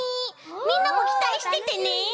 みんなもきたいしててね。